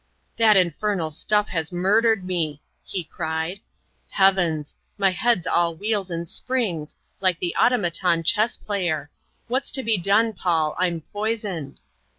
" That infernal stuff has murdered me !" he cried. " Heavens I my head's all wheels and springs, like the automaton chess player ! What's to be done, Paul ? Pm poisoned."